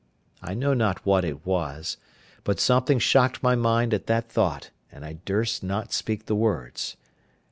I know not what it was, but something shocked my mind at that thought, and I durst not speak the words.